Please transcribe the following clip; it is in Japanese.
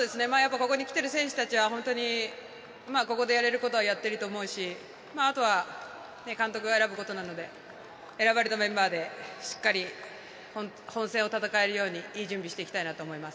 ここに来ている選手たちはここでやれることはやっていると思うしあとは監督が選ぶことなので選ばれたメンバーでしっかり本戦を戦えるようにいい準備をしていきたいと思います。